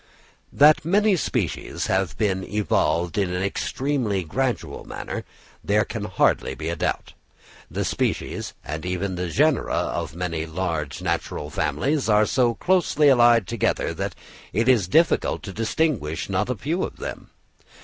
That many species have been evolved in an extremely gradual manner, there can hardly be a doubt. The species and even the genera of many large natural families are so closely allied together that it is difficult to distinguish not a few of them.